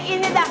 ini bukan fasa